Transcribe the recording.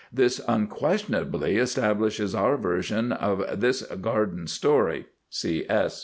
This unquestionably establishes our version of this garden story. (_See S.